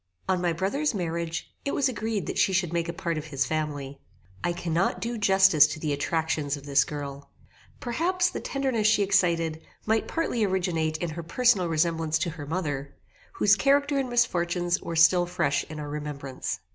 On my brother's marriage, it was agreed that she should make a part of his family. I cannot do justice to the attractions of this girl. Perhaps the tenderness she excited might partly originate in her personal resemblance to her mother, whose character and misfortunes were still fresh in our remembrance.